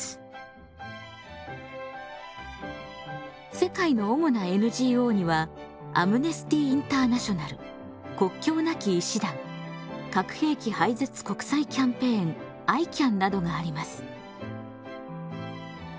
世界の主なＮＧＯにはアムネスティ・インターナショナル国境なき医師団核兵器廃絶国際キャンペーンなどがあります。